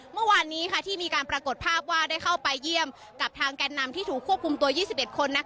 เมื่อวานนี้ที่มีการปรากฏภาพว่าได้เข้าไปเยี่ยมกับทางแก่นนำที่ถูกควบคุมตัว๒๑คน